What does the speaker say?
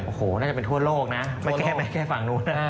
โอ้โหน่าจะเป็นทั่วโลกนะไม่แก้ไม่แค่ฝั่งนู้นนะ